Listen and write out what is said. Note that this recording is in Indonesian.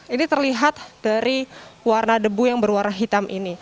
ini terlihat dari warna debu yang berwarna hitam ini